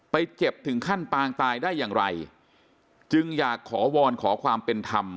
เจ็บถึงขั้นปางตายได้อย่างไรจึงอยากขอวอนขอความเป็นธรรม